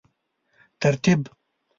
ترتیب